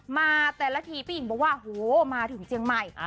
มาแต่ละทีพี่หญิงบอกว่าโหมาถึงเจียงใหม่